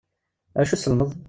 Iwacu tsellmeḍ?